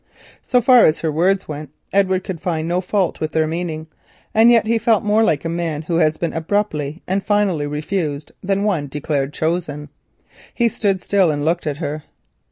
So far as her words went, Edward could find no fault with their meaning, and yet he felt more like a man who has been abruptly and finally refused than one declared chosen. He stood still and looked at her.